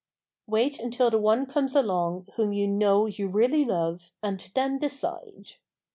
Wait until the one comes along whom you know you really love and then decide.